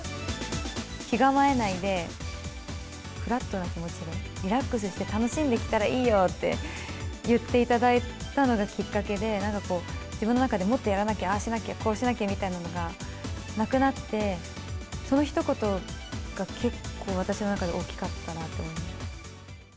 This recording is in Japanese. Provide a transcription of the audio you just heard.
気構えないで、フラットな気持ちで、リラックスして楽しんできたらいいよって言っていただいたのがきっかけで、なんか、こう、自分の中でもっとああしなきゃ、こうしなきゃみたいなのがなくなって、そのひと言が結構、私の中で大きかったなと思います。